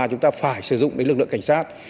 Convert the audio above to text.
chúng ta phải sử dụng lực lượng cảnh sát